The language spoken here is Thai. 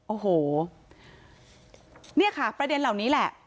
โอ้โหเนี่ยค่ะประเด็นเหล่านี้แหละ